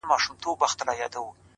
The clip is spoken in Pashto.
دا سپك هنر نه دى چي څوك يې پــټ كړي،